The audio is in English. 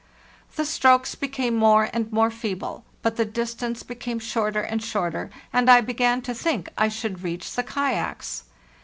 The strokes became more and more feeble, but the distance became shorter and shorter, and I began to think I should reach the kayaks.